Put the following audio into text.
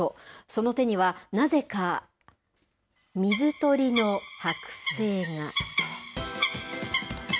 その手には、なぜか水鳥の剥製が。